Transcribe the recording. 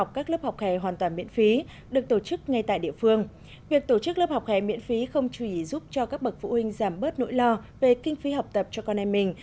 các lớp học hẻ miễn phí không chỉ giúp cho các bậc phụ huynh giảm bớt nỗi lo về kinh phí học tập cho con em mình